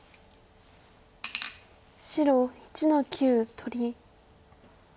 白１の九取り。